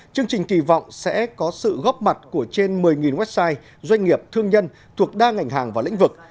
chương trình kỳ vọng sẽ có sự góp mặt của trên một mươi website doanh nghiệp thương nhân thuộc đa ngành hàng và lĩnh vực